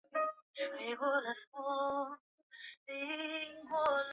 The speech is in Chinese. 光绪二十四年任贵州天柱县知县。